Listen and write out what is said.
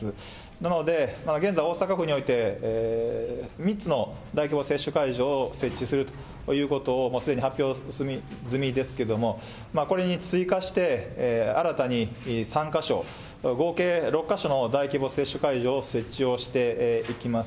なので、現在大阪府において、３つの大規模接種会場を設置するということをもうすでに発表済みですけども、これに追加して、新たに３か所、合計６か所の大規模接種会場を設置をしていきます。